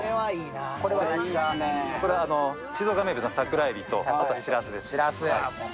これ、静岡名物の桜えびとあとしらすです。